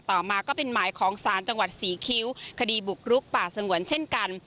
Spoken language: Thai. ต่อมาก็เป็นหมายของศาลจังหวัดศรีคิ้วคดีบุกรุกป่าสงวนเช่นกัน